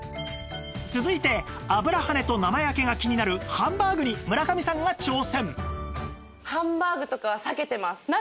続いて油はねと生焼けが気になるハンバーグに村上さんが挑戦